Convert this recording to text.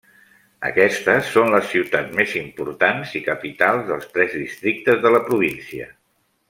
Aquestes són les ciutats més importants i capitals dels tres districtes de la província.